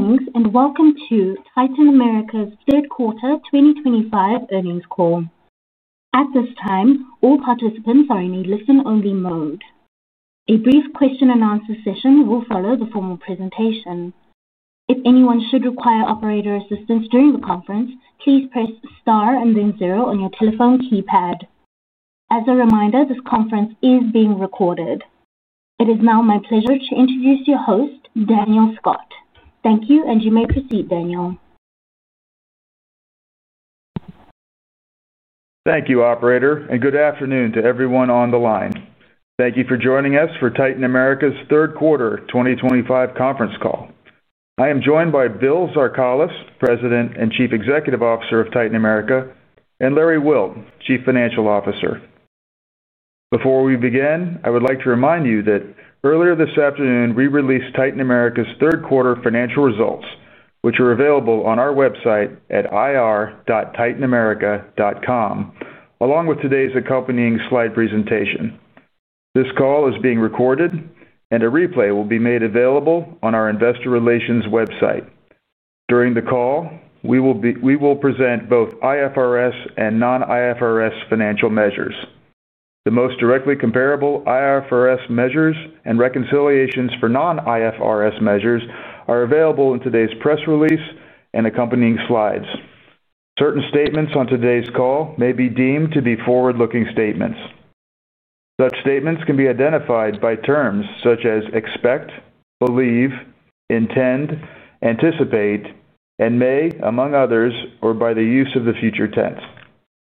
Greetings and welcome to Titan America's third quarter 2025 earnings call. At this time, all participants are in a listen-only mode. A brief question-and-answer session will follow the formal presentation. If anyone should require operator assistance during the conference, please press star and then zero on your telephone keypad. As a reminder, this conference is being recorded. It is now my pleasure to introduce your host, Daniel Scott. Thank you, and you may proceed, Daniel. Thank you, Operator, and good afternoon to everyone on the line. Thank you for joining us for Titan America's third quarter 2025 conference call. I am joined by Bill Zarkalis, President and Chief Executive Officer of Titan America, and Larry Wilt, Chief Financial Officer. Before we begin, I would like to remind you that earlier this afternoon we released Titan America's third quarter financial results, which are available on our website at ir.titanamerica.com, along with today's accompanying slide presentation. This call is being recorded, and a replay will be made available on our investor relations website. During the call, we will present both IFRS and non-IFRS financial measures. The most directly comparable IFRS measures and reconciliations for non-IFRS measures are available in today's press release and accompanying slides. Certain statements on today's call may be deemed to be forward-looking statements. Such statements can be identified by terms such as expect, believe, intend, anticipate, and may, among others, or by the use of the future tense.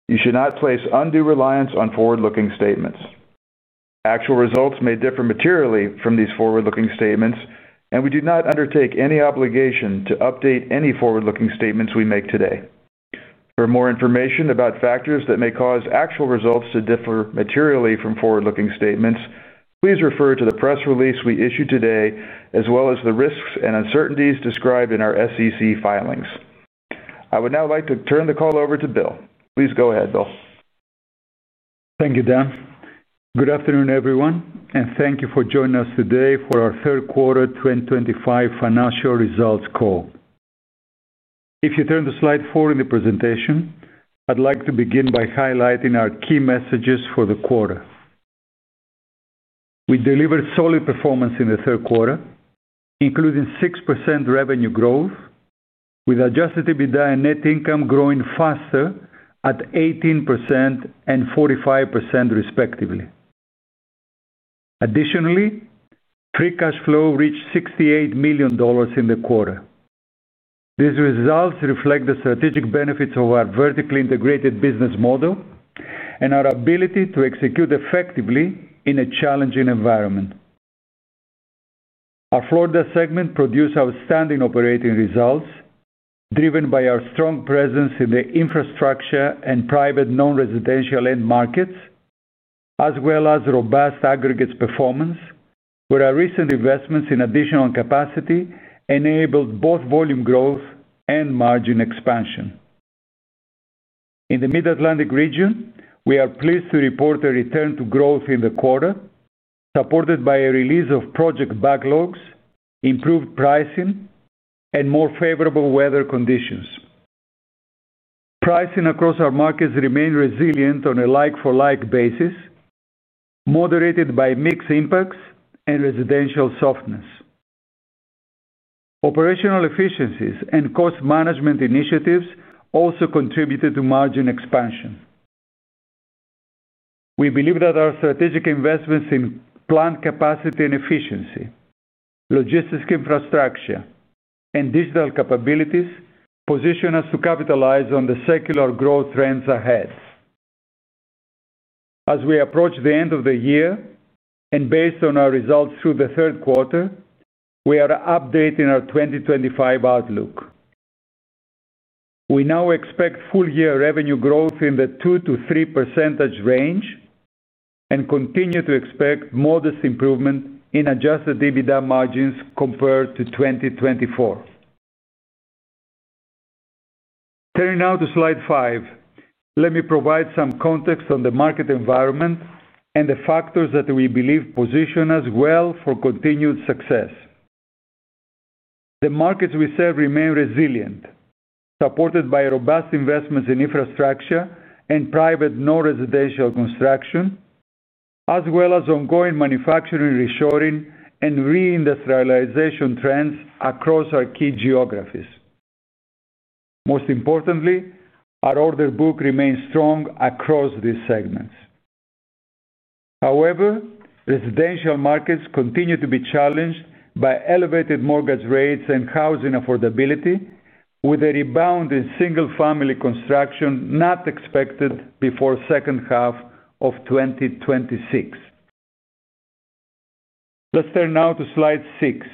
You should not place undue reliance on forward-looking statements. Actual results may differ materially from these forward-looking statements, and we do not undertake any obligation to update any forward-looking statements we make today. For more information about factors that may cause actual results to differ materially from forward-looking statements, please refer to the press release we issue today, as well as the risks and uncertainties described in our SEC filings. I would now like to turn the call over to Bill. Please go ahead, Bill. Thank you, Dan. Good afternoon, everyone, and thank you for joining us today for our third quarter 2025 financial results call. If you turn the slide forward in the presentation, I'd like to begin by highlighting our key messages for the quarter. We delivered solid performance in the third quarter, including 6% revenue growth, with adjusted EBITDA and net income growing faster at 18% and 45%, respectively. Additionally, free cash flow reached $68 million in the quarter. These results reflect the strategic benefits of our vertically integrated business model and our ability to execute effectively in a challenging environment. Our Florida segment produced outstanding operating results, driven by our strong presence in the infrastructure and private non-residential end markets, as well as robust aggregates performance, where our recent investments in additional capacity enabled both volume growth and margin expansion. In the Mid-Atlantic region, we are pleased to report a return to growth in the quarter, supported by a release of project backlogs, improved pricing, and more favorable weather conditions. Pricing across our markets remained resilient on a like-for-like basis, moderated by mixed impacts and residential softness. Operational efficiencies and cost management initiatives also contributed to margin expansion. We believe that our strategic investments in plant capacity and efficiency, logistics infrastructure, and digital capabilities position us to capitalize on the secular growth trends ahead. As we approach the end of the year, and based on our results through the third quarter, we are updating our 2025 outlook. We now expect full-year revenue growth in the 2%-3% range and continue to expect modest improvement in adjusted EBITDA margins compared to 2024. Turning now to slide five, let me provide some context on the market environment and the factors that we believe position us well for continued success. The markets we serve remain resilient, supported by robust investments in infrastructure and private non-residential construction, as well as ongoing manufacturing reshoring and re-industrialization trends across our key geographies. Most importantly, our order book remains strong across these segments. However, residential markets continue to be challenged by elevated mortgage rates and housing affordability, with a rebound in single-family construction not expected before the second half of 2026. Let's turn now to slide six.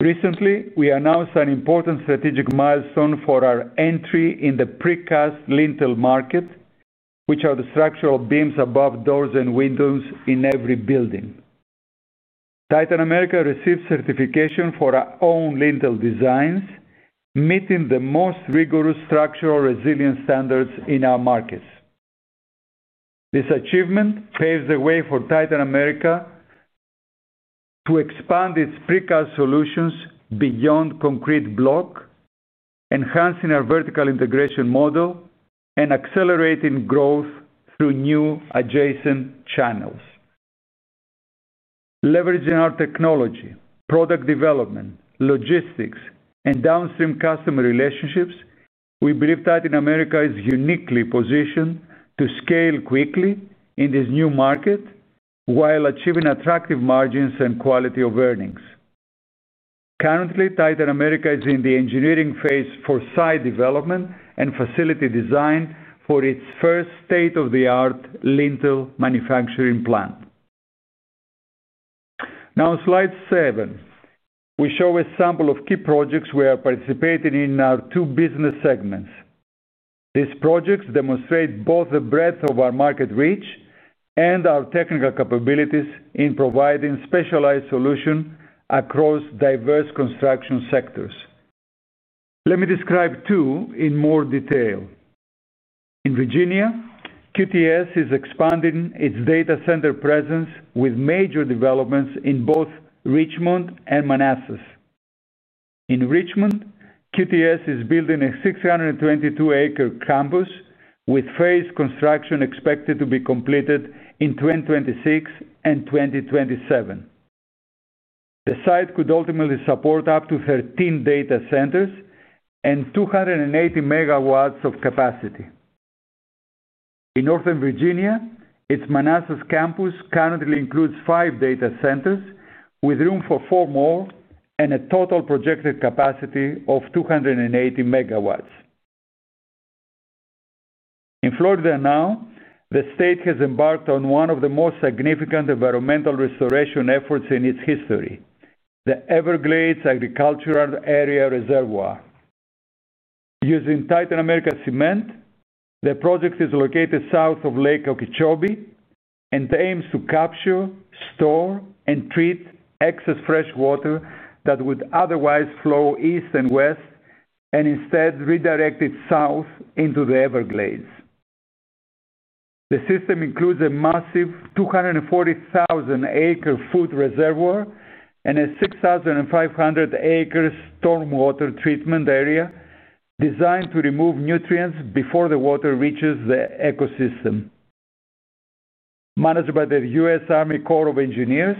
Recently, we announced an important strategic milestone for our entry in the precast lintel market, which are the structural beams above doors and windows in every building. Titan America received certification for our own lintel designs, meeting the most rigorous structural resilience standards in our markets. This achievement paves the way for Titan America to expand its precast solutions beyond concrete block, enhancing our vertical integration model and accelerating growth through new adjacent channels. Leveraging our technology, product development, logistics, and downstream customer relationships, we believe Titan America is uniquely positioned to scale quickly in this new market while achieving attractive margins and quality of earnings. Currently, Titan America is in the engineering phase for site development and facility design for its first state-of-the-art lintel manufacturing plant. Now, slide seven, we show a sample of key projects we are participating in in our two business segments. These projects demonstrate both the breadth of our market reach and our technical capabilities in providing specialized solutions across diverse construction sectors. Let me describe two in more detail. In Virginia, QTS is expanding its data center presence with major developments in both Richmond and Manassas. In Richmond, QTS is building a 622-acre campus with phased construction expected to be completed in 2026 and 2027. The site could ultimately support up to 13 data centers and 280 Megawatts of capacity. In Northern Virginia, its Manassas campus currently includes five data centers with room for four more and a total projected capacity of 280 Megawatts. In Florida now, the state has embarked on one of the most significant environmental restoration efforts in its history, the Everglades Agricultural Area Reservoir. Using Titan America cement, the project is located south of Lake Okeechobee and aims to capture, store, and treat excess fresh water that would otherwise flow east and west, and instead redirect it south into the Everglades. The system includes a massive 240,000-acre food reservoir and a 6,500-acre stormwater treatment area designed to remove nutrients before the water reaches the ecosystem. Managed by the U.S. Army Corps of Engineers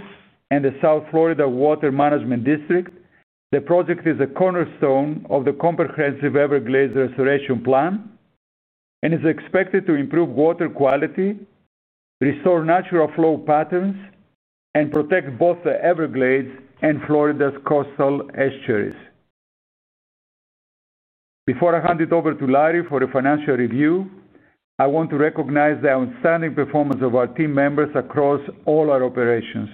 and the South Florida Water Management District, the project is a cornerstone of the comprehensive Everglades restoration plan. It is expected to improve water quality, restore natural flow patterns, and protect both the Everglades and Florida's coastal estuaries. Before I hand it over to Larry for a financial review, I want to recognize the outstanding performance of our team members across all our operations.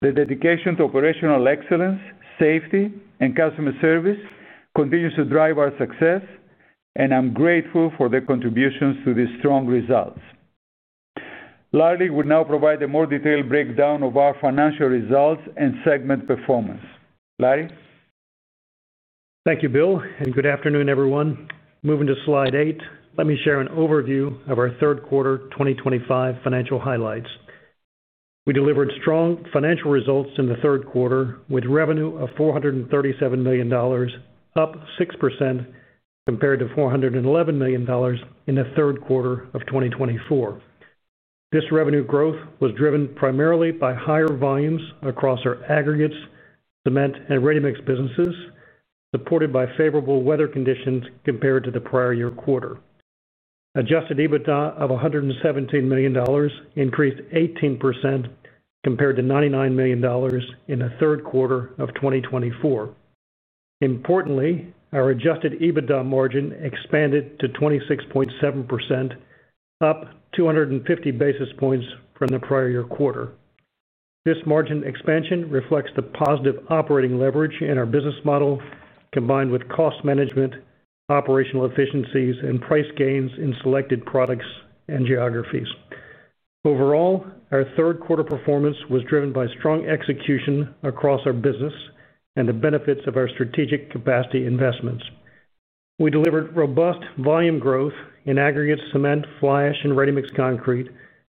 The dedication to operational excellence, safety, and customer service continues to drive our success, and I'm grateful for their contributions to these strong results. Larry will now provide a more detailed breakdown of our financial results and segment performance. Larry. Thank you, Bill, and good afternoon, everyone. Moving to slide eight, let me share an overview of our third quarter 2025 financial highlights. We delivered strong financial results in the third quarter with revenue of $437 million, up 6% compared to $411 million in the third quarter of 2024. This revenue growth was driven primarily by higher volumes across our aggregates, cement, and ready-mix businesses, supported by favorable weather conditions compared to the prior year quarter. Adjusted EBITDA of $117 million increased 18% compared to $99 million in the third quarter of 2024. Importantly, our adjusted EBITDA margin expanded to 26.7%, up 250 basis points from the prior year quarter. This margin expansion reflects the positive operating leverage in our business model, combined with cost management, operational efficiencies, and price gains in selected products and geographies. Overall, our third quarter performance was driven by strong execution across our business and the benefits of our strategic capacity investments. We delivered robust volume growth in aggregates, cement, fly ash, and ready-mix concrete,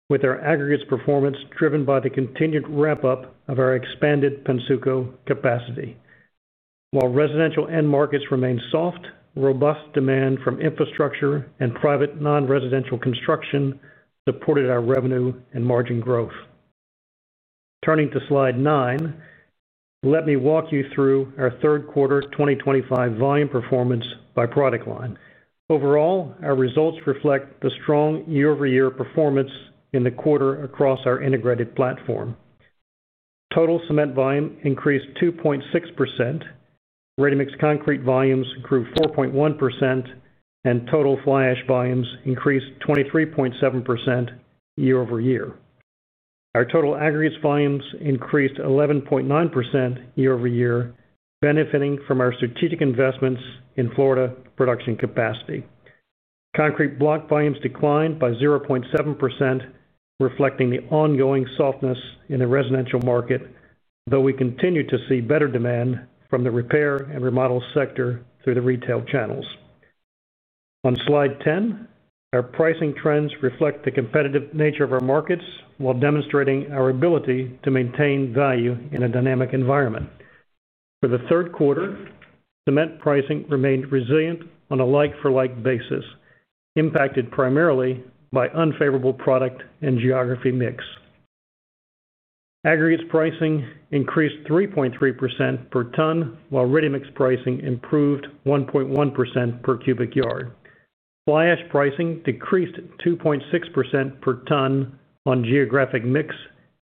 with our aggregates performance driven by the continued ramp-up of our expanded Pennsuco capacity. While residential end markets remained soft, robust demand from infrastructure and private non-residential construction supported our revenue and margin growth. Turning to slide nine. Let me walk you through our third quarter 2025 volume performance by product line. Overall, our results reflect the strong year-over-year performance in the quarter across our integrated platform. Total cement volume increased 2.6%. Ready-mix concrete volumes grew 4.1%. Total fly ash volumes increased 23.7% year-over-year. Our total aggregates volumes increased 11.9% year-over-year, benefiting from our strategic investments in Florida production capacity. Concrete block volumes declined by 0.7%. Reflecting the ongoing softness in the residential market, though we continue to see better demand from the repair and remodel sector through the retail channels. On slide 10, our pricing trends reflect the competitive nature of our markets while demonstrating our ability to maintain value in a dynamic environment. For the third quarter, cement pricing remained resilient on a like-for-like basis, impacted primarily by unfavorable product and geography mix. Aggregates pricing increased 3.3% per ton, while ready-mix pricing improved 1.1% per cubic yard. Fly ash pricing decreased 2.6% per ton on geographic mix,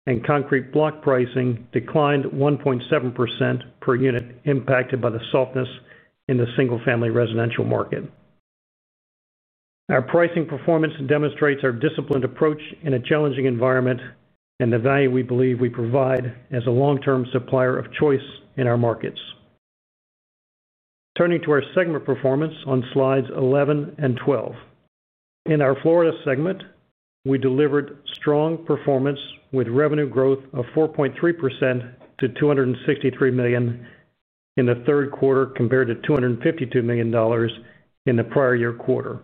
and concrete block pricing declined 1.7% per unit, impacted by the softness in the single-family residential market. Our pricing performance demonstrates our disciplined approach in a challenging environment and the value we believe we provide as a long-term supplier of choice in our markets. Turning to our segment performance on slides 11 and 12. In our Florida segment, we delivered strong performance with revenue growth of 4.3% to $263 million in the third quarter compared to $252 million in the prior year quarter.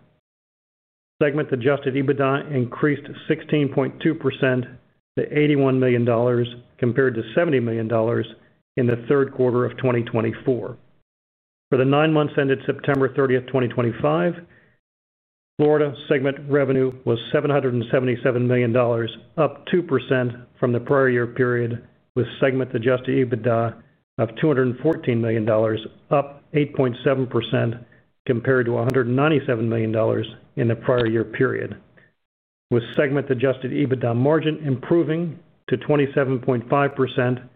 Segment-adjusted EBITDA increased 16.2% to $81 million compared to $70 million in the third quarter of 2024. For the nine months ended September 30, 2025, Florida segment revenue was $777 million, up 2% from the prior year period, with segment-adjusted EBITDA of $214 million, up 8.7% compared to $197 million in the prior year period, with segment-adjusted EBITDA margin improving to 27.5%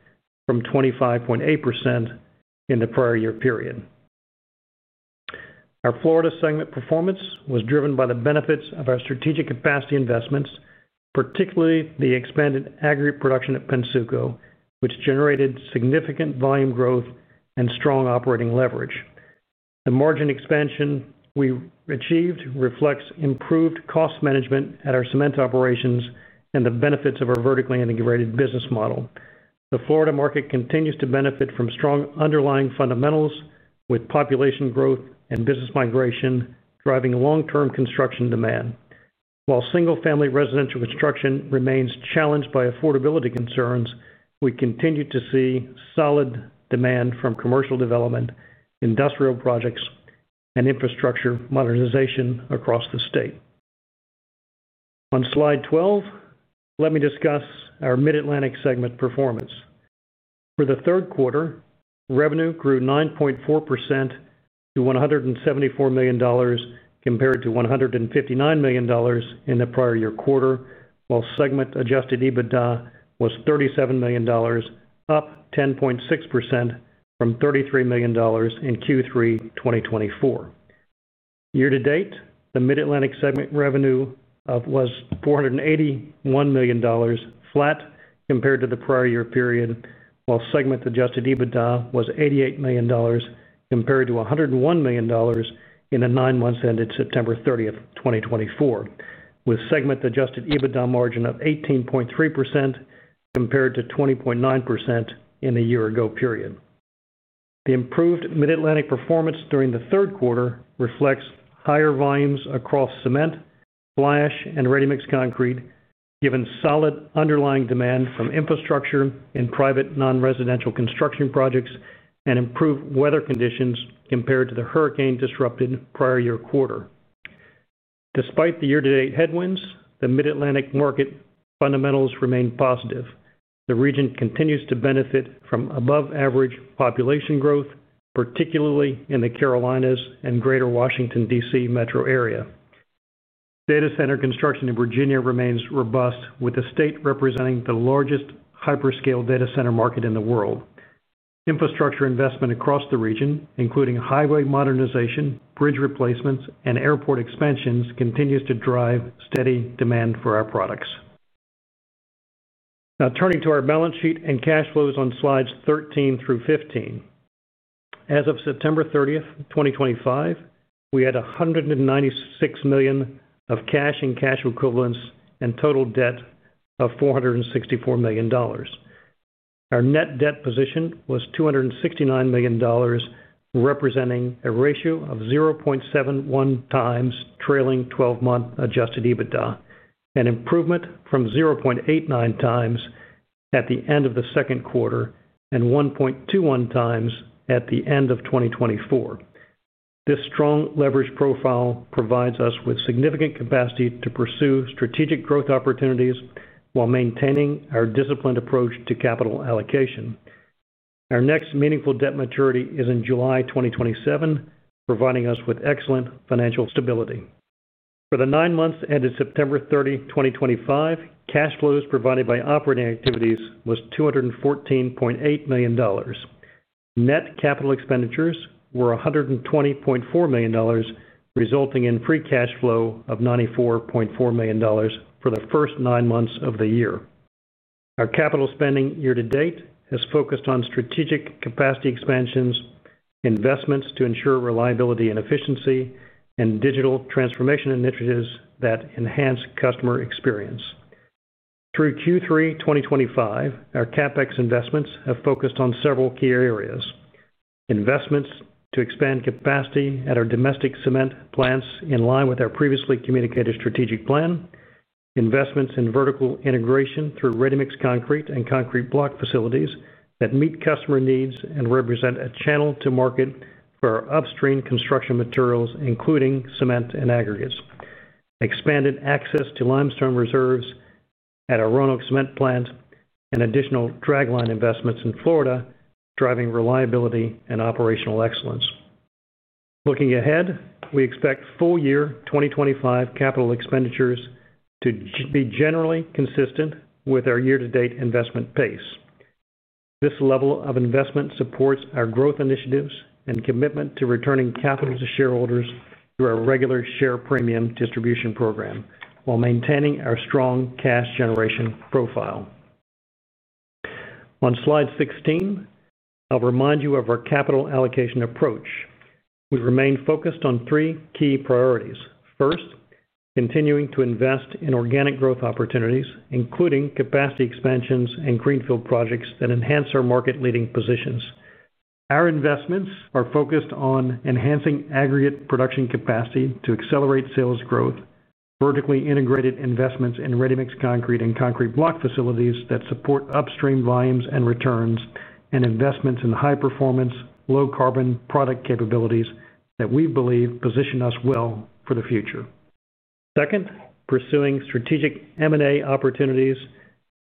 from 25.8% in the prior year period. Our Florida segment performance was driven by the benefits of our strategic capacity investments, particularly the expanded aggregate production at Pennsuco, which generated significant volume growth and strong operating leverage. The margin expansion we achieved reflects improved cost management at our cement operations and the benefits of our vertically integrated business model. The Florida market continues to benefit from strong underlying fundamentals, with population growth and business migration driving long-term construction demand. While single-family residential construction remains challenged by affordability concerns, we continue to see solid demand from commercial development, industrial projects, and infrastructure modernization across the state. On slide 12, let me discuss our Mid-Atlantic segment performance. For the third quarter, revenue grew 9.4% to $174 million compared to $159 million in the prior year quarter, while segment-adjusted EBITDA was $37 million, up 10.6% from $33 million in Q3 2024. Year to date, the Mid-Atlantic segment revenue was $481 million, flat compared to the prior year period, while segment-adjusted EBITDA was $88 million compared to $101 million in the nine months ended September 30th, 2024, with segment-adjusted EBITDA margin of 18.3% compared to 20.9% in the year-ago period. The improved Mid-Atlantic performance during the third quarter reflects higher volumes across cement, fly ash, and ready-mix concrete, given solid underlying demand from infrastructure and private non-residential construction projects and improved weather conditions compared to the hurricane-disrupted prior year quarter. Despite the year-to-date headwinds, the Mid-Atlantic market fundamentals remain positive. The region continues to benefit from above-average population growth, particularly in the Carolinas and greater Washington, D.C. metro area. Data center construction in Virginia remains robust, with the state representing the largest hyperscale data center market in the world. Infrastructure investment across the region, including highway modernization, bridge replacements, and airport expansions, continues to drive steady demand for our products. Now, turning to our balance sheet and cash flows on slides 13 through 15. As of September 30th, 2025, we had $196 million of cash and cash equivalents and total debt of $464 million. Our net debt position was $269 million, representing a ratio of 0.71 times trailing 12-month adjusted EBITDA, an improvement from 0.89 times at the end of the second quarter and 1.21 times at the end of 2024. This strong leverage profile provides us with significant capacity to pursue strategic growth opportunities while maintaining our disciplined approach to capital allocation. Our next meaningful debt maturity is in July 2027, providing us with excellent financial stability. For the nine months ended September 30, 2025, cash flows provided by operating activities was $214.8 million. Net capital expenditures were $120.4 million, resulting in free cash flow of $94.4 million for the first nine months of the year. Our capital spending year-to-date has focused on strategic capacity expansions, investments to ensure reliability and efficiency, and digital transformation initiatives that enhance customer experience. Through Q3 2025, our CapEx investments have focused on several key areas: investments to expand capacity at our domestic cement plants in line with our previously communicated strategic plan. Investments in vertical integration through ready-mix concrete and concrete block facilities that meet customer needs and represent a channel to market for our upstream construction materials, including cement and aggregates. Expanded access to limestone reserves at our Roanoke cement plant and additional drag line investments in Florida driving reliability and operational excellence. Looking ahead, we expect full year 2025 capital expenditures to be generally consistent with our year-to-date investment pace. This level of investment supports our growth initiatives and commitment to returning capital to shareholders through our regular share premium distribution program while maintaining our strong cash generation profile. On slide 16. I'll remind you of our capital allocation approach. We remain focused on three key priorities. First, continuing to invest in organic growth opportunities, including capacity expansions and greenfield projects that enhance our market-leading positions. Our investments are focused on enhancing aggregate production capacity to accelerate sales growth, vertically integrated investments in ready-mix concrete and concrete block facilities that support upstream volumes and returns, and investments in high-performance, low-carbon product capabilities that we believe position us well for the future. Second, pursuing strategic M&A opportunities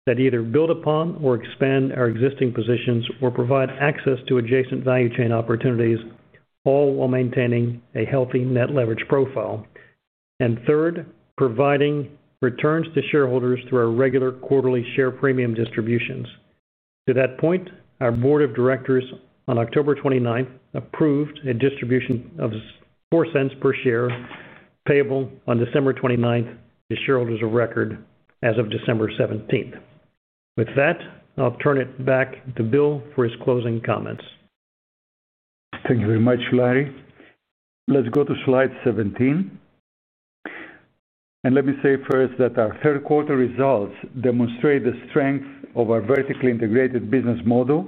that either build upon or expand our existing positions or provide access to adjacent value chain opportunities, all while maintaining a healthy net leverage profile. Third, providing returns to shareholders through our regular quarterly share premium distributions. To that point, our board of directors on October 29th approved a distribution of $0.04 per share payable on December 29th to shareholders of record as of December 17th. With that, I'll turn it back to Bill for his closing comments. Thank you very much, Larry. Let's go to slide 17. Let me say first that our third-quarter results demonstrate the strength of our vertically integrated business model.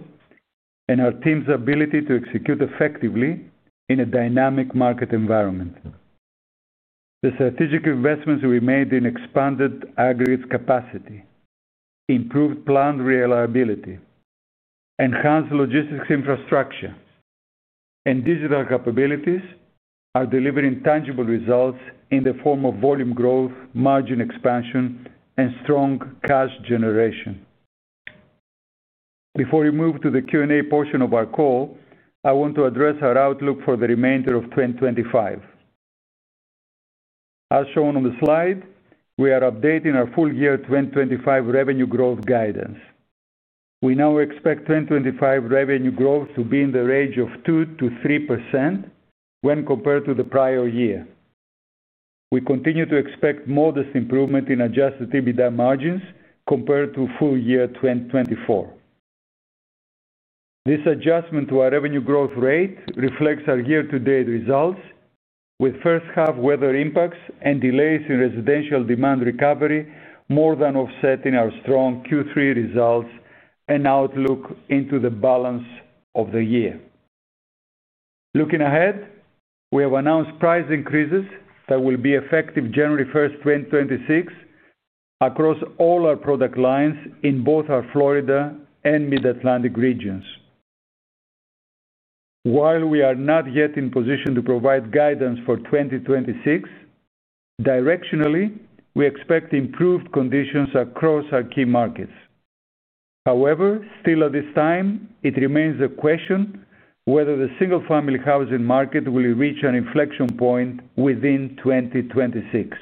Our team's ability to execute effectively in a dynamic market environment. The strategic investments we made in expanded aggregates capacity, improved plant reliability, enhanced logistics infrastructure, and digital capabilities are delivering tangible results in the form of volume growth, margin expansion, and strong cash generation. Before we move to the Q&A portion of our call, I want to address our outlook for the remainder of 2025. As shown on the slide, we are updating our full year 2025 revenue growth guidance. We now expect 2025 revenue growth to be in the range of 2%-3% when compared to the prior year. We continue to expect modest improvement in adjusted EBITDA margins compared to full year 2024. This adjustment to our revenue growth rate reflects our year-to-date results, with first-half weather impacts and delays in residential demand recovery more than offsetting our strong Q3 results and outlook into the balance of the year. Looking ahead, we have announced price increases that will be effective January 1, 2026, across all our product lines in both our Florida and Mid-Atlantic regions. While we are not yet in position to provide guidance for 2026, directionally, we expect improved conditions across our key markets. However, still at this time, it remains a question whether the single-family housing market will reach an inflection point within 2026.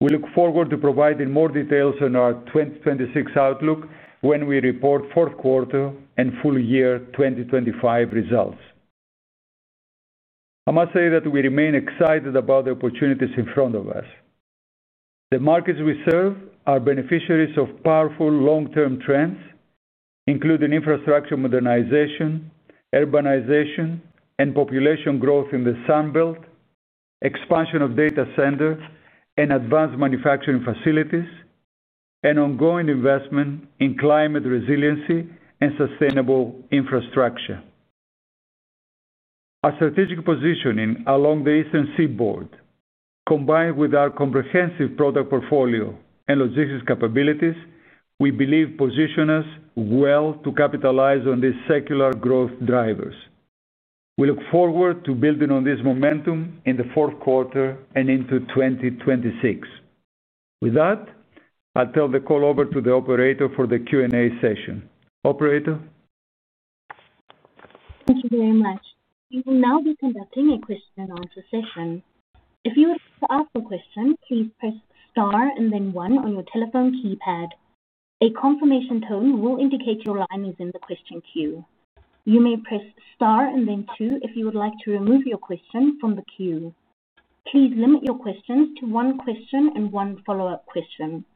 We look forward to providing more details on our 2026 outlook when we report fourth quarter and full year 2025 results. I must say that we remain excited about the opportunities in front of us. The markets we serve are beneficiaries of powerful long-term trends, including infrastructure modernization, urbanization, and population growth in the Sun Belt, expansion of data centers and advanced manufacturing facilities, and ongoing investment in climate resiliency and sustainable infrastructure. Our strategic positioning along the Eastern Seaboard, combined with our comprehensive product portfolio and logistics capabilities, we believe positions us well to capitalize on these secular growth drivers. We look forward to building on this momentum in the fourth quarter and into 2026. With that, I'll turn the call over to the operator for the Q&A session. Operator. Thank you very much. We will now be conducting a question-and-answer session. If you would like to ask a question, please press star and then one on your telephone keypad. A confirmation tone will indicate your line is in the question queue. You may press star and then tws if you would like to remove your question from the queue. Please limit your questions to one question and one follow-up question.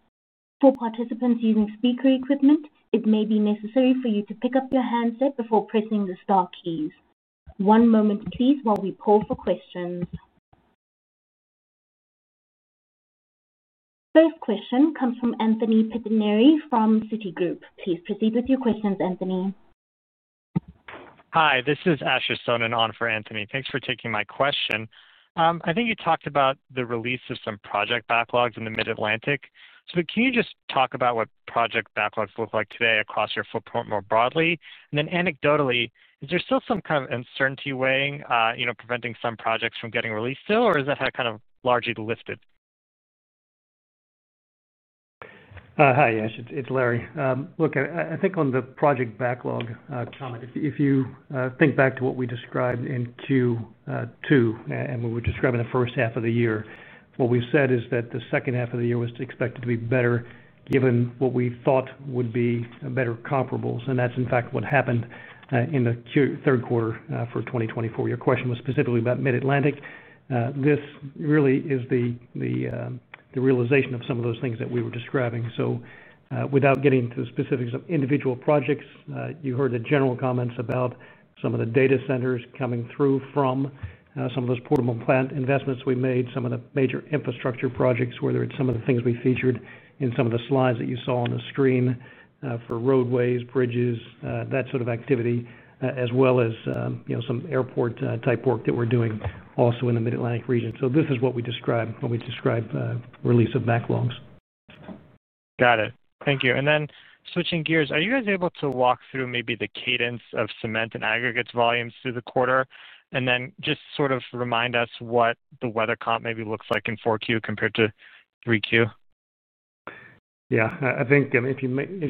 For participants using speaker equipment, it may be necessary for you to pick up your handset before pressing the star keys. One moment, please, while we poll for questions. First question comes from Anthony Pittineri from Citigroup. Please proceed with your questions, Anthony. Hi, this is Asher Stone, on for Anthony. Thanks for taking my question. I think you talked about the release of some project backlogs in the Mid-Atlantic. Can you just talk about what project backlogs look like today across your footprint more broadly? Anecdotally, is there still some kind of uncertainty weighing, preventing some projects from getting released still, or is that kind of largely lifted? Hi, Ash. It's Larry. Look, I think on the project backlog comment, if you think back to what we described in Q2 and what we described in the first half of the year, what we said is that the second half of the year was expected to be better given what we thought would be better comparables. That is, in fact, what happened in the third quarter for 2024. Your question was specifically about Mid-Atlantic. This really is the realization of some of those things that we were describing. Without getting into the specifics of individual projects, you heard the general comments about some of the data centers coming through from some of those portable plant investments we made, some of the major infrastructure projects, whether it's some of the things we featured in some of the slides that you saw on the screen for roadways, bridges, that sort of activity, as well as some airport-type work that we're doing also in the Mid-Atlantic region. This is what we described when we described release of backlogs. Got it. Thank you. Switching gears, are you guys able to walk through maybe the cadence of cement and aggregates volumes through the quarter and then just sort of remind us what the weather comp maybe looks like in 4Q compared to 3Q? Yeah. I think if you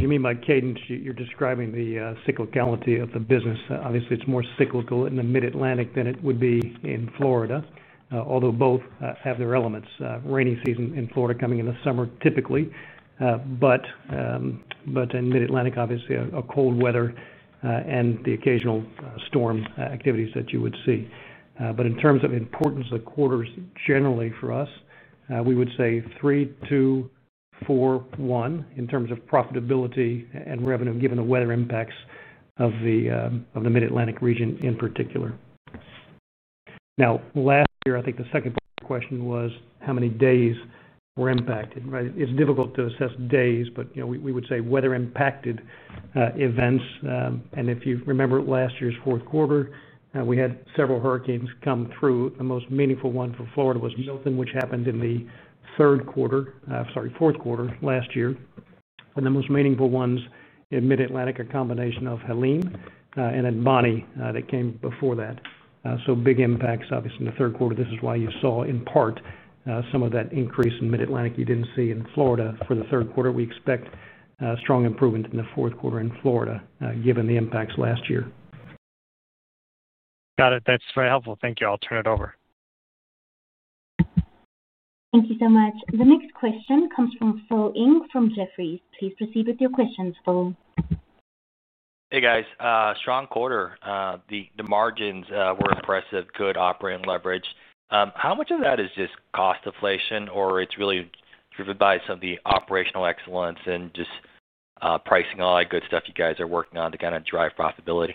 mean by cadence, you're describing the cyclicality of the business. Obviously, it's more cyclical in the Mid-Atlantic than it would be in Florida, although both have their elements. Rainy season in Florida coming in the summer typically, but in Mid-Atlantic, obviously, cold weather and the occasional storm activities that you would see. In terms of the importance of quarters generally for us, we would say 3, 2, 4, 1 in terms of profitability and revenue given the weather impacts of the Mid-Atlantic region in particular. Now, last year, I think the second part of the question was how many days were impacted. It's difficult to assess days, but we would say weather-impacted events. If you remember last year's fourth quarter, we had several hurricanes come through. The most meaningful one for Florida was Milton, which happened in the third quarter—sorry, fourth quarter last year. The most meaningful ones in Mid-Atlantic are a combination of Helene and then Bonnie that came before that. Big impacts, obviously, in the third quarter. This is why you saw, in part, some of that increase in Mid-Atlantic you did not see in Florida for the third quarter. We expect strong improvement in the fourth quarter in Florida given the impacts last year. Got it. That is very helpful. Thank you. I will turn it over. Thank you so much. The next question comes from Phil Ng from Jefferies. Please proceed with your questions, Phil. Hey, guys. Strong quarter. The margins were impressive. Good operating leverage. How much of that is just cost deflation, or is it really driven by some of the operational excellence and just pricing on all that good stuff you guys are working on to kind of drive profitability?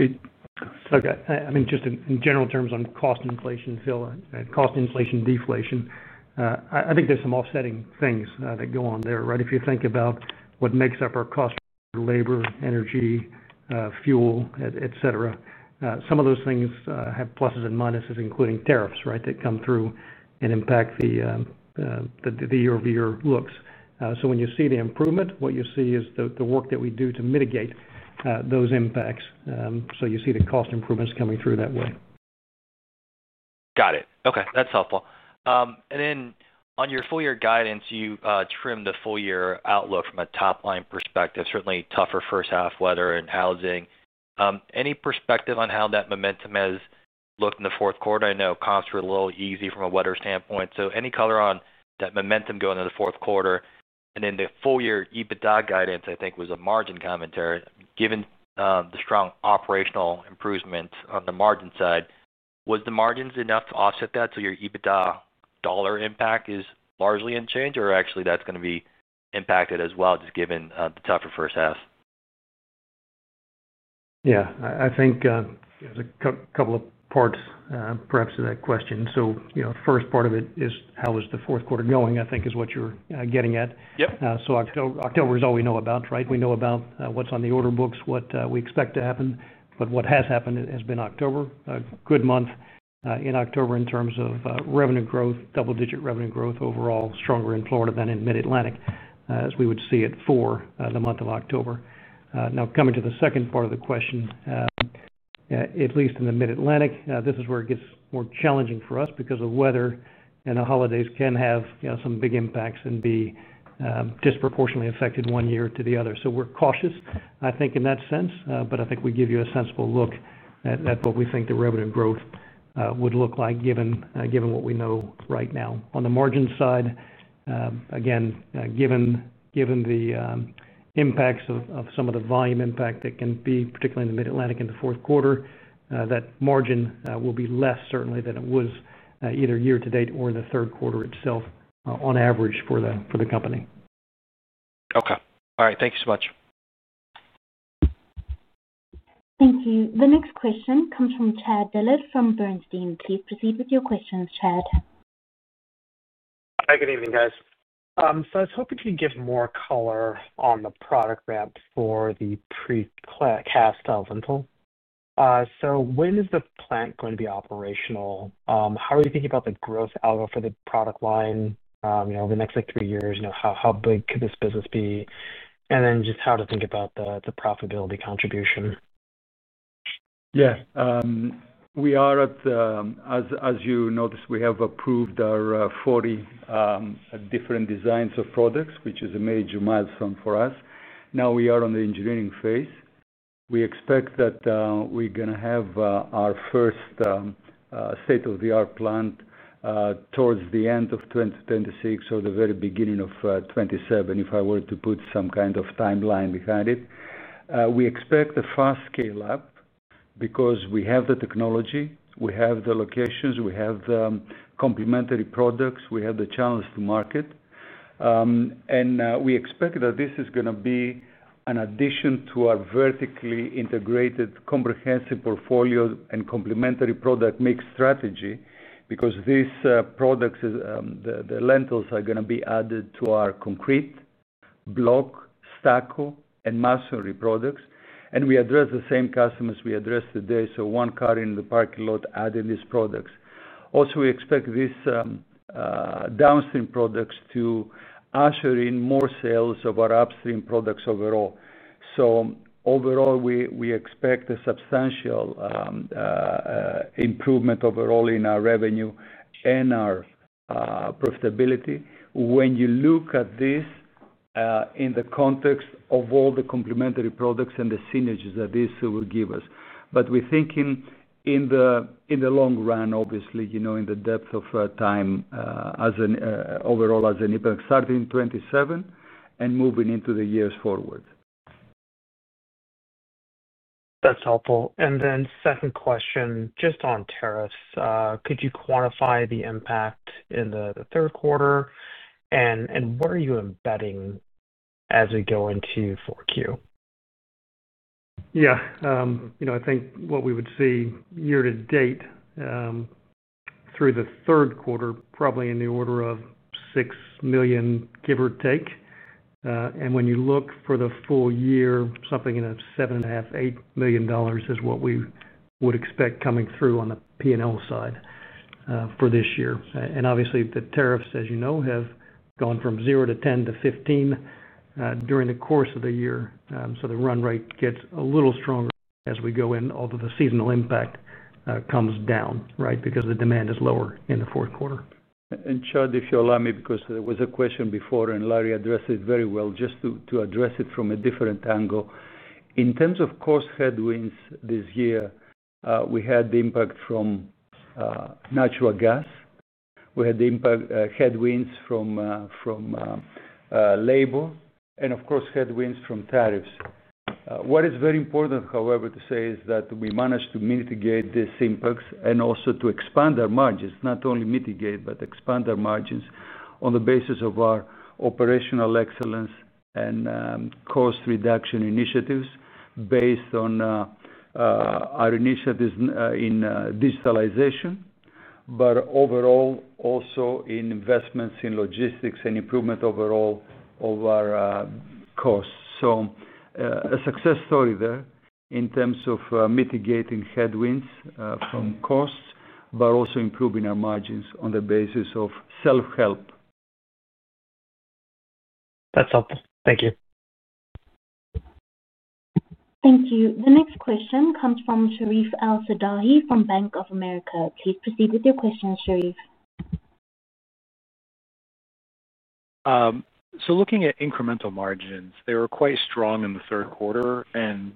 I mean, just in general terms on cost inflation, Phil. Cost inflation, deflation. I think there's some offsetting things that go on there, right? If you think about what makes up our cost for labor, energy, fuel, etc., some of those things have pluses and minuses, including tariffs, right, that come through and impact the year-over-year looks. When you see the improvement, what you see is the work that we do to mitigate those impacts. You see the cost improvements coming through that way. Got it. Okay. That's helpful. Then on your full year guidance, you trimmed the full year outlook from a top-line perspective. Certainly tougher first-half weather and housing. Any perspective on how that momentum has looked in the fourth quarter? I know comps were a little easy from a weather standpoint. Any color on that momentum going into the fourth quarter? The full year EBITDA guidance, I think, was a margin commentary. Given the strong operational improvement on the margin side, was the margins enough to offset that? Your EBITDA dollar impact is largely unchanged, or actually, that's going to be impacted as well, just given the tougher first half? Yeah. I think there's a couple of parts, perhaps, to that question. The first part of it is, "How was the fourth quarter going?" I think is what you're getting at. October is all we know about, right? We know about what's on the order books, what we expect to happen. What has happened has been October. A good month in October in terms of revenue growth, double-digit revenue growth overall, stronger in Florida than in Mid-Atlantic, as we would see it for the month of October. Now, coming to the second part of the question. At least in the Mid-Atlantic, this is where it gets more challenging for us because the weather and the holidays can have some big impacts and be disproportionately affected one year to the other. We are cautious, I think, in that sense. I think we give you a sensible look at what we think the revenue growth would look like given what we know right now. On the margin side, again, given the impacts of some of the volume impact that can be, particularly in the Mid-Atlantic in the fourth quarter, that margin will be less, certainly, than it was either year-to-date or in the third quarter itself, on average, for the company. Okay. All right. Thank you so much. Thank you. The next question comes from Chad Dillard from Bernstein. Please proceed with your questions, Chad. Hi. Good evening, guys. I was hoping to give more color on the product [map] for the precast lintel. When is the plant going to be operational? How are you thinking about the growth outlook for the product line over the next three years? How big could this business be? Just how to think about the profitability contribution. Yes. We are at, as you noticed, we have approved our 40 different designs of products, which is a major milestone for us. Now we are on the engineering phase. We expect that we're going to have our first state-of-the-art plant towards the end of 2026 or the very beginning of 2027, if I were to put some kind of timeline behind it. We expect a fast scale-up because we have the technology, we have the locations, we have the complementary products, we have the channels to market. We expect that this is going to be an addition to our vertically integrated comprehensive portfolio and complementary product mix strategy because these products, the lintels, are going to be added to our concrete block, stucco, and masonry products. We address the same customers we address today, so one car in the parking lot adding these products. We also expect these downstream products to usher in more sales of our upstream products overall. Overall, we expect a substantial improvement in our revenue and our profitability when you look at this in the context of all the complementary products and the synergies that this will give us. We are thinking in the long run, obviously, in the depth of time. Overall as an impact, starting in 2027 and moving into the years forward. That's helpful. Second question, just on tariffs. Could you quantify the impact in the third quarter? What are you embedding as we go into Q4? Yeah. I think what we would see year-to-date through the third quarter, probably in the order of $6 million, give or take. When you look for the full year, something in the $7.5 million-$8 million is what we would expect coming through on the P&L side for this year. Obviously, the tariffs, as you know, have gone from 0% to 10% to 15% during the course of the year. The run rate gets a little stronger as we go in, although the seasonal impact comes down, right, because the demand is lower in the fourth quarter. Chad, if you allow me, because there was a question before and Larry addressed it very well, just to address it from a different angle. In terms of cost headwinds this year, we had the impact from natural gas. We had the impact headwinds from labor, and of course, headwinds from tariffs. What is very important, however, to say is that we managed to mitigate these impacts and also to expand our margins, not only mitigate but expand our margins on the basis of our operational excellence and cost reduction initiatives based on our initiatives in digitalization, but overall also in investments in logistics and improvement overall of our costs. A success story there in terms of mitigating headwinds from costs, but also improving our margins on the basis of self-help. That's helpful. Thank you. Thank you. The next question comes from Sherif El-Sabbahi from Bank of America. Please proceed with your question, Sherif. Looking at incremental margins, they were quite strong in the third quarter.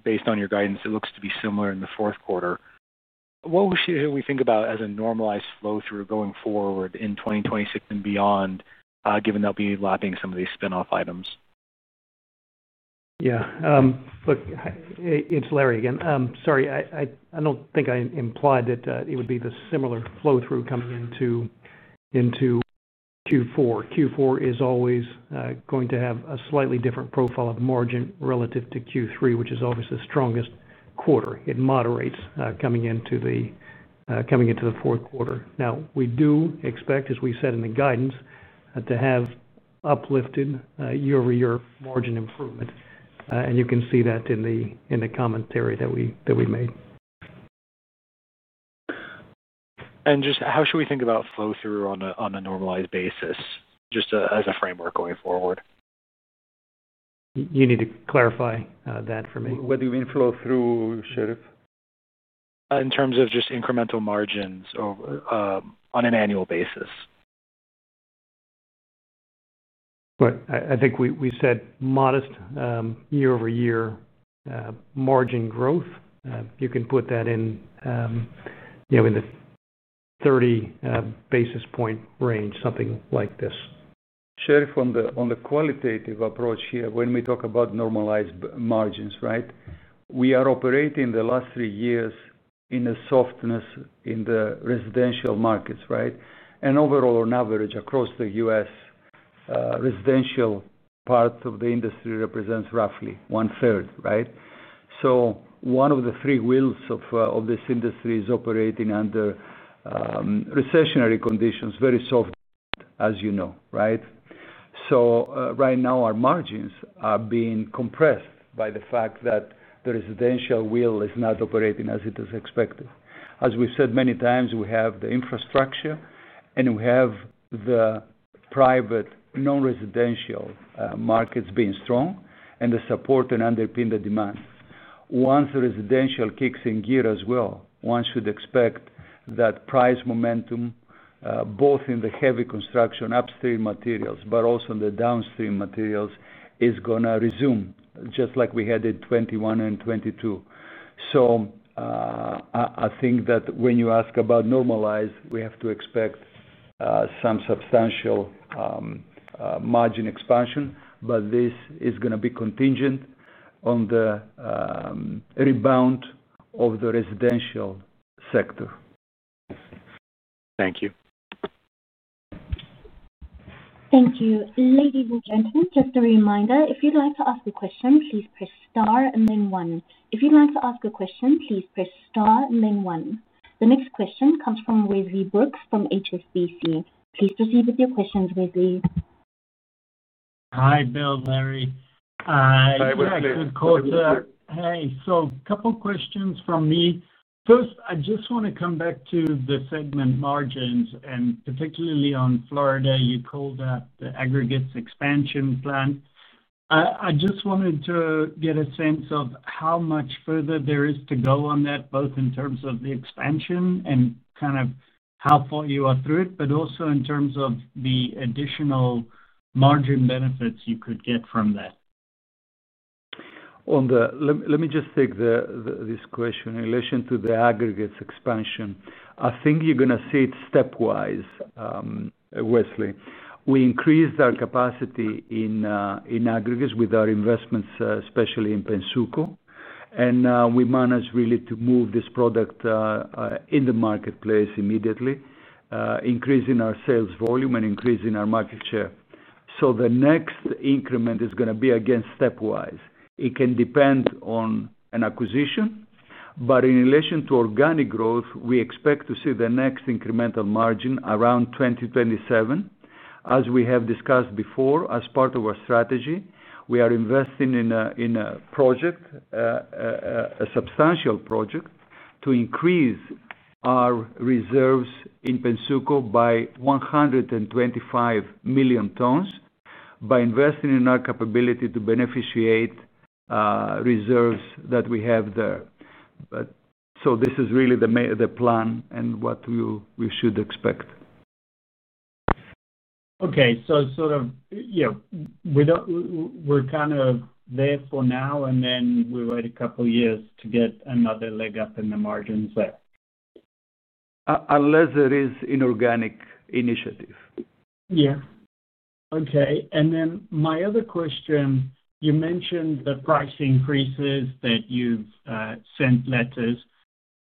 Based on your guidance, it looks to be similar in the fourth quarter. What should we think about as a normalized flow-through going forward in 2026 and beyond, given they'll be lapping some of these spinoff items? Yeah. Look. It's Larry again. Sorry. I don't think I implied that it would be the similar flow-through coming into Q4. Q4 is always going to have a slightly different profile of margin relative to Q3, which is always the strongest quarter. It moderates coming into the fourth quarter. Now, we do expect, as we said in the guidance, to have uplifted year-over-year margin improvement. You can see that in the commentary that we made. Just how should we think about flow-through on a normalized basis, just as a framework going forward? You need to clarify that for me. What do you mean flow-through, Sherif? In terms of just incremental margins, on an annual basis, I think we said modest year-over-year margin growth. You can put that in the 30 basis point range, something like this. Sherif, on the qualitative approach here, when we talk about normalized margins, right, we are operating the last three years in a softness in the residential markets, right? And overall, on average, across the U.S., residential part of the industry represents roughly one-third, right? So one of the three wheels of this industry is operating under recessionary conditions, very soft, as you know, right? Right now, our margins are being compressed by the fact that the residential wheel is not operating as it is expected. As we have said many times, we have the infrastructure, and we have the private non-residential markets being strong and that support and underpin the demand. Once the residential kicks in gear as well, one should expect that price momentum. Both in the heavy construction upstream materials but also in the downstream materials, is going to resume, just like we had in 2021 and 2022. I think that when you ask about normalized, we have to expect some substantial margin expansion. This is going to be contingent on the rebound of the residential sector. Thank you. Thank you. Ladies and gentlemen, just a reminder, if you'd like to ask a question, please press star and then one. If you'd like to ask a question, please press star and then one. The next question comes from Wesley Brooks from HSBC. Please proceed with your questions, Wesley. Hi, Bill. Larry. Hi. Good. Hey. So a couple of questions from me. First, I just want to come back to the segment margins, and particularly on Florida, you called that the aggregates expansion plan. I just wanted to get a sense of how much further there is to go on that, both in terms of the expansion and kind of how far you are through it, but also in terms of the additional margin benefits you could get from that. Let me just take this question in relation to the aggregates expansion. I think you're going to see it stepwise, Wesley. We increased our capacity in aggregates with our investments, especially in Pennsuco. And we managed really to move this product in the marketplace immediately, increasing our sales volume and increasing our market share. The next increment is going to be again stepwise. It can depend on an acquisition. In relation to organic growth, we expect to see the next incremental margin around 2027. As we have discussed before, as part of our strategy, we are investing in a project. A substantial project to increase our reserves in Pennsuco by 125 million tons by investing in our capability to beneficiate reserves that we have there. This is really the plan and what we should expect. Okay. Sort of, we're kind of there for now, and then we wait a couple of years to get another leg up in the margins there, unless there is an organic initiative. Yeah. Okay. My other question, you mentioned the price increases that you've sent letters.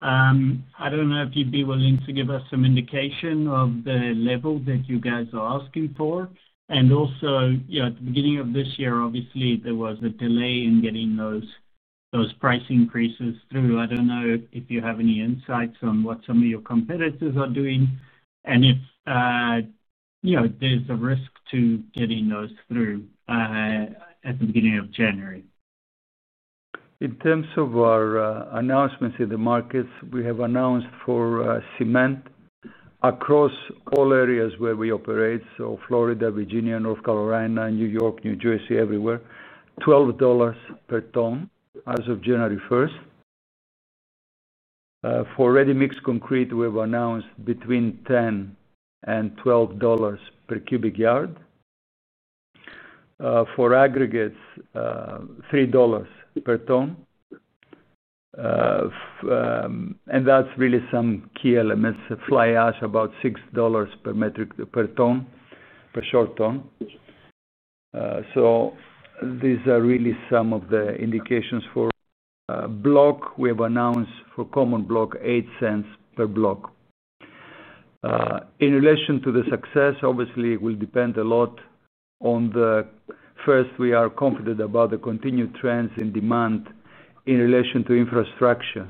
I don't know if you'd be willing to give us some indication of the level that you guys are asking for. Also, at the beginning of this year, obviously, there was a delay in getting those price increases through. I don't know if you have any insights on what some of your competitors are doing and if there's a risk to getting those through at the beginning of January. In terms of our announcements in the markets, we have announced for cement across all areas where we operate, so Florida, Virginia, North Carolina, New York, New Jersey, everywhere, $12 per ton as of January 1. For ready-mix concrete, we have announced between $10 and $12 per cubic yard. For aggregates, $3 per ton. That's really some key elements. Fly ash, about $6 per ton, short ton. These are really some of the indications. For block, we have announced for common block, $0.08 per block. In relation to the success, obviously, it will depend a lot on the. First, we are confident about the continued trends in demand in relation to infrastructure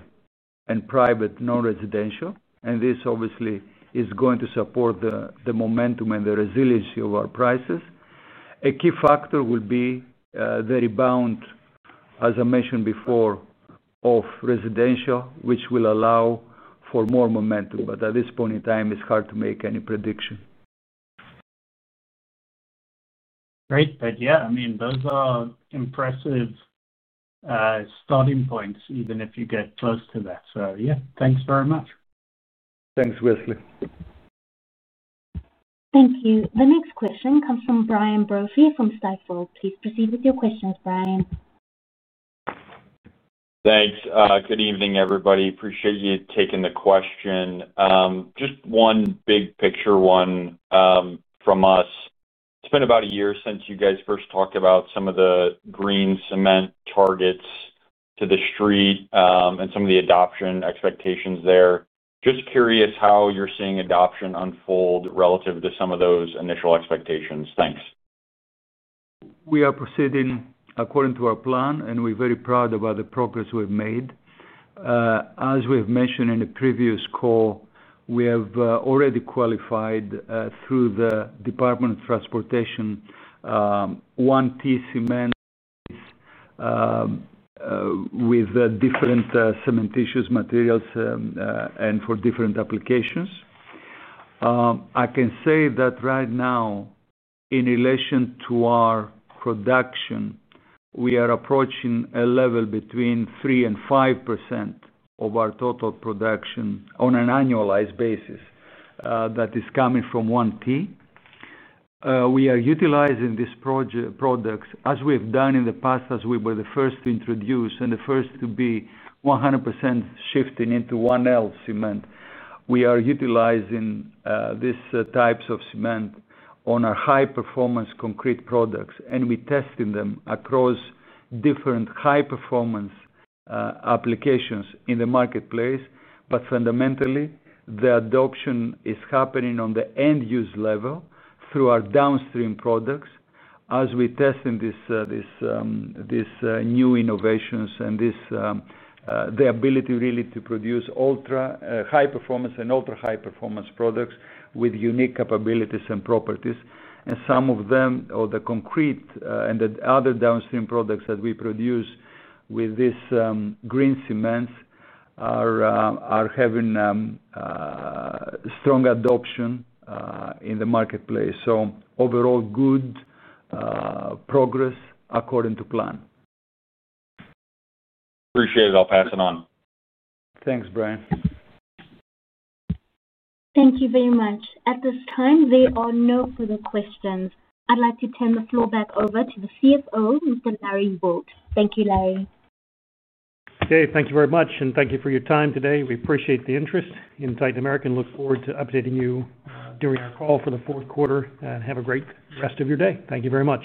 and private non-residential. This, obviously, is going to support the momentum and the resiliency of our prices. A key factor will be the rebound, as I mentioned before, of residential, which will allow for more momentum. At this point in time, it's hard to make any prediction. Great. Yeah, I mean, those are impressive starting points, even if you get close to that. Yeah, thanks very much. Thanks, Wesley. Thank you. The next question comes from Brian Brophy from Stifel. Please proceed with your questions, Brian. Thanks. Good evening, everybody. Appreciate you taking the question. Just one big picture one from us. It's been about a year since you guys first talked about some of the green cement targets to the street and some of the adoption expectations there. Just curious how you're seeing adoption unfold relative to some of those initial expectations. Thanks. We are proceeding according to our plan, and we're very proud about the progress we've made. As we've mentioned in the previous call, we have already qualified through the Department of Transportation 1T cement. With different cementitious materials and for different applications. I can say that right now. In relation to our production, we are approaching a level between 3% and 5% of our total production on an annualized basis. That is coming from 1T. We are utilizing these products, as we have done in the past, as we were the first to introduce and the first to be 100% shifting into 1L cement. We are utilizing these types of cement on our high-performance concrete products, and we're testing them across different high-performance applications in the marketplace. Fundamentally, the adoption is happening on the end-use level through our downstream products as we're testing these new innovations. The ability really to produce high-performance and ultra-high-performance products with unique capabilities and properties, and some of them, or the concrete and the other downstream products that we produce with these green cements, are having strong adoption in the marketplace. Overall, good progress according to plan. Appreciate it. I'll pass it on. Thanks, Brian. Thank you very much. At this time, there are no further questions. I'd like to turn the floor back over to the CFO, Mr. Larry Wilt. Thank you, Larry. Okay. Thank you very much. And thank you for your time today. We appreciate the interest in Titan America. Look forward to updating you during our call for the fourth quarter. Have a [great] rest of your day. Thank you very much.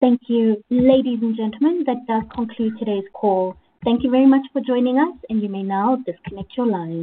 Thank you. Ladies and gentlemen, that does conclude today's call. Thank you very much for joining us. You may now disconnect your line.